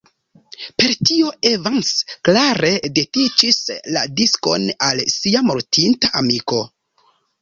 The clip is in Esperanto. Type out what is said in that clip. Per tio Evans klare dediĉis la diskon al sia mortinta amiko.